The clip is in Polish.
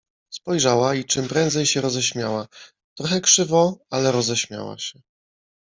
Spojrzała i czym prędzej się roześmiała, trochę krzywo, ale roześmiała się.